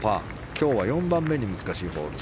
今日は４番目に難しいホール。